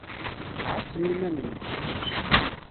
Ɛasem iman-nwen.